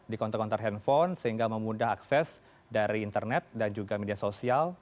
di kontor kontak handphone sehingga memudah akses dari internet dan juga media sosial